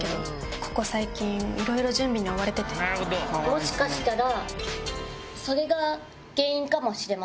もしかしたら。